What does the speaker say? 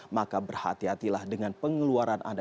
maka berhati hatilah dengan pengeluaran anda